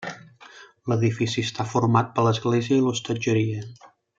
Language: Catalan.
L'edifici està format per l'església i l'hostatgeria.